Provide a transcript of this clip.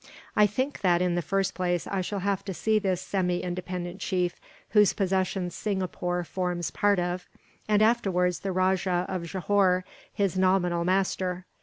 "I think that, in the first place, I shall have to see this semi independent chief, whose possessions Singapore forms part of; and afterwards the Rajah of Johore, his nominal master.